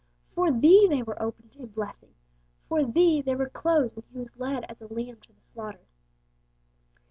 'For thee' they were opened in blessing; 'for thee' they were closed when He was led as a lamb to the slaughter.